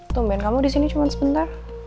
tumben kamu disini cuma sebentar